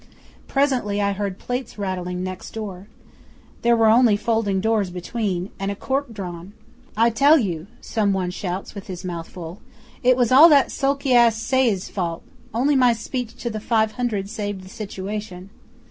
Presently I heard plates rattling next door there were only folding doors between and a cork drawn. "I tell you," some one shouts with his mouth full, "it was all that sulky ass Sieyes' fault. Only my speech to the Five Hundred saved the situation."